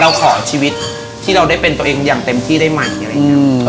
เราขอชีวิตที่เราได้เป็นตัวเองอย่างเต็มที่ได้ไหมอะไรอย่างนี้